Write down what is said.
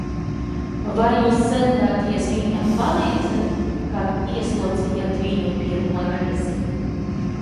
Vai jūs centāties viņam palīdzēt, kad ieslodzījāt viņu pirmo reizi?